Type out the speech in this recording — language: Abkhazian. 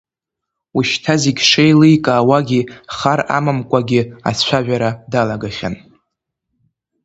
Ушьҭа зегьы шеиликаауагьы хар амамкәагьы ацәажәара далагахьан.